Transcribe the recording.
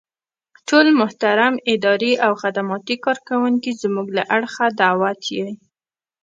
ټول محترم اداري او خدماتي کارکوونکي زمونږ له اړخه دعوت يئ.